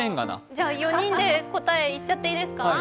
じゃあ４人でいっちゃっていいですか。